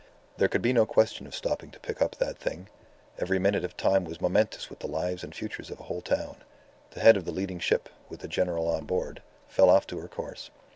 There could be no question of stopping to pick up that thing. Every minute of time was momentous with the lives and futures of a whole town. The head of the leading ship, with the General on board, fell off to her course.